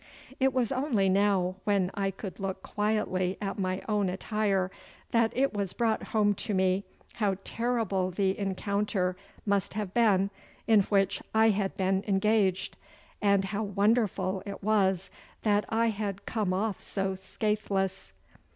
It was only now when I could look quietly at my own attire that it was brought home to me how terrible the encounter must have been in which I had been engaged, and how wonderful it was that I had come off so scatheless.